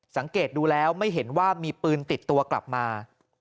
สังเกตดูแล้วไม่เห็นว่ามีปืนติดตัวกลับมา